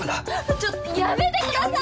ちょっやめてください！